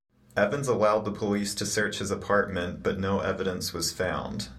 Evans allowed the police to search his apartment but no evidence was found.